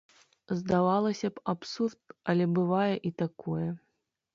Здавалася б, абсурд, але бывае і такое.